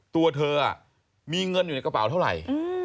ตัวเธอมีเงินอยู่ในกระเป๋าเท่าไหร่